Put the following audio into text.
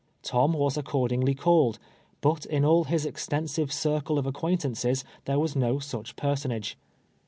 Tom was accordingly called, but in all his extensive cir cle of acquaintances there was no sudi personage.